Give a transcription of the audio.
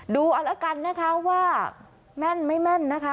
ดูเอาละกันนะคะว่าแม่นไม่แม่นนะคะ